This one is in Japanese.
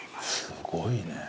すごいね。